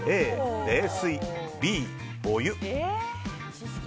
Ａ、冷水Ｂ、お湯。